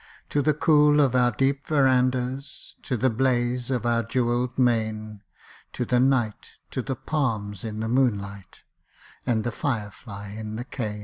To the cool of our deep verandas To the blaze of our jewelled main, To the night, to the palms in the moonlight, And the fire fly in the cane!